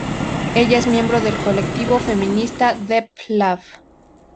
Ella es miembro del colectivo feminista Deep Lab.